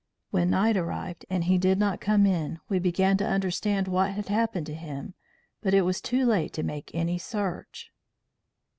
When night arrived and he did not come in, we began to understand what had happened to him; but it was too late to make any search.